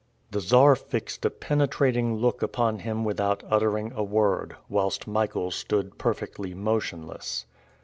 The Czar fixed a penetrating look upon him without uttering a word, whilst Michael stood perfectly motionless.